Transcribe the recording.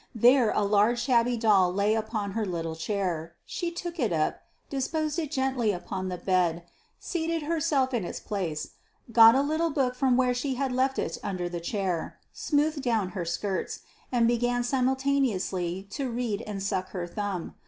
There a large shabby doll lay upon her little chair: she took it up, disposed it gently upon the bed, seated herself in its place, got a little book from where she had left it under the chair, smoothed down her skirts, and began simultaneously to read and suck her thumb.